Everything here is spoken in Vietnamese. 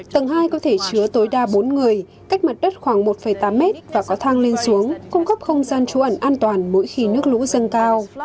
tầng hai có thể chứa tối đa bốn người cách mặt đất khoảng một tám mét và có thang lên xuống cung cấp không gian trú ẩn an toàn mỗi khi nước lũ dâng cao